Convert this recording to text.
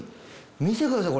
見てください